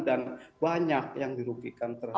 dan banyak yang dirugikan terhadap